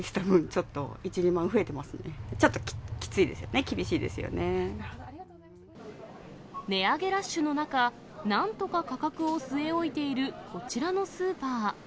ちょっときついですよね、厳しい値上げラッシュの中、なんとか価格を据え置いている、こちらのスーパー。